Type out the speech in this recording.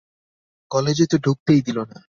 কলেজে তো ঢুকতেই দিলো না।